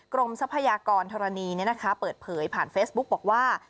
ทรัพยากรธรณีเปิดเผยผ่านเฟซบุ๊กบอกว่า